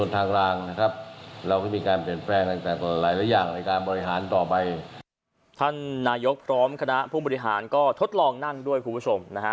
ท่านนายกพร้อมคณะผู้บริหารก็ทดลองนั่งด้วยคุณผู้ชมนะฮะ